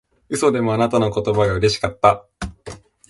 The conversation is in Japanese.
嘘でもあなたの言葉がうれしかった